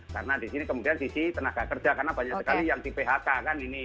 karena di sini kemudian sisi tenaga kerja karena banyak sekali yang di phk kan ini